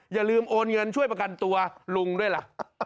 อย่าลืมโอนเงินช่วยประกันตัวลุงด้วยล่ะ